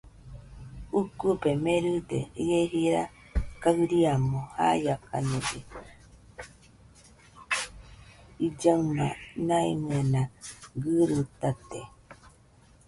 Ukube meride ie jira gaɨriamo jaiakañede; illaɨma maimɨena gɨritate